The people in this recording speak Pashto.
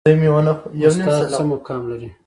استاد څه مقام لري؟